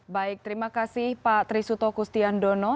baik terima kasih pak trisuto kustian dono